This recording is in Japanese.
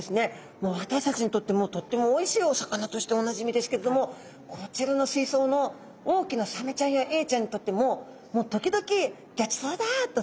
もう私たちにとってもとってもおいしいお魚としておなじみですけれどもこちらの水槽の大きなサメちゃんやエイちゃんにとってももう時々ギョちそうだっとですね